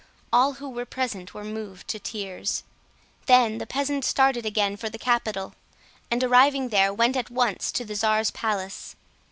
All who were present were moved to tears. Then the peasant started again for the capital, and arriving there went at once to the czar's palace.